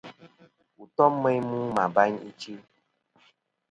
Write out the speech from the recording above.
Wù tom meyn mu mɨ abayn ichɨ.